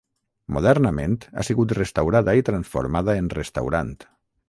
Modernament ha sigut restaurada i transformada en restaurant.